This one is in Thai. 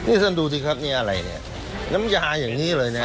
นี่ท่านดูสิครับนี่อะไรเนี่ยน้ำยาอย่างนี้เลยนะ